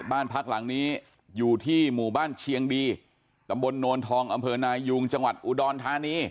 บ้านพักหลังนี้อยู่ที่หมู่บ้านเชียงดีตำบลโนนทองอำเภอนายุงจังหวัดอุดรธานี